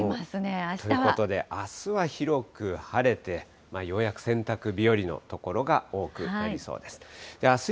あすは広く晴れて、ようやく洗濯日和の所が多くなりそうです。